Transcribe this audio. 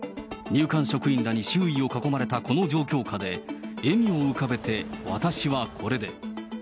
入管職員らに周囲を囲まれたこの状況下で、笑みを浮かべて、私はこれで。